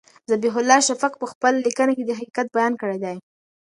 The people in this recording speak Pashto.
ذبیح الله شفق په خپله لیکنه کې حقیقت بیان کړی دی.